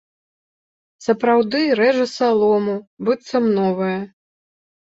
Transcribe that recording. Сапраўды, рэжа салому, быццам новая.